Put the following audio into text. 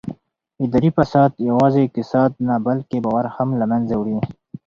اداري فساد یوازې اقتصاد نه بلکې باور هم له منځه وړي